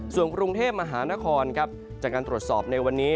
ส่วนกรุงเทพมหานครครับจากการตรวจสอบในวันนี้